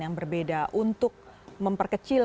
yang berbeda untuk memperkecil